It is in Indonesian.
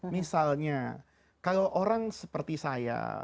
misalnya kalau orang seperti saya